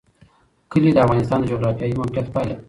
کلي د افغانستان د جغرافیایي موقیعت پایله ده.